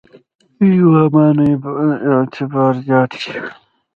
د امامانو اعتبار زیات شي.